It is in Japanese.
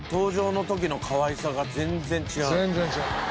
全然違う。